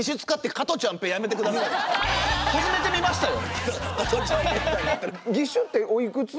初めて見ましたよ。